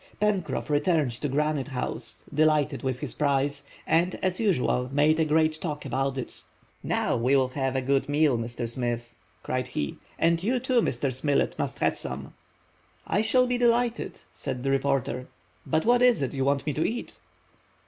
Pencroff returned to Granite House, delighted with his prize, and, as usual, made a great talk about it. "Now, we'll have a good meal, Mr Smith," cried he, "and you too, Mr. Spilett, must have some." "I shall be delighted," said the reporter, "but what is it you want me to eat?"